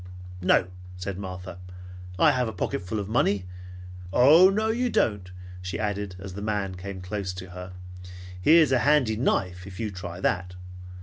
"No," said Martha. "I have a pocketful of money. No, you don't," she added as the man came close to her. "Here's a handy knife if you try that.